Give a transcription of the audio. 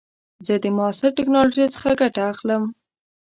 زه د معاصر ټکنالوژۍ څخه ګټه اخلم.